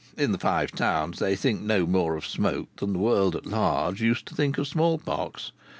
In the Five Towns they think no more of smoke than the world at large used to think of small pox.